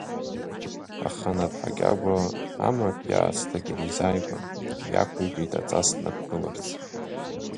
Аха Наԥҳа Кьагәа амаҳә иаасҭагьы дизааигәан, иақәикит аҵас днаԥгыларц.